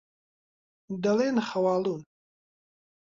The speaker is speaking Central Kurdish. دەڵێن خەواڵوون.